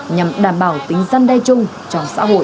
nhằm đảm bảo tính dân đe chung trong xã hội